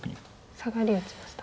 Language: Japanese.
サガリ打ちましたかね。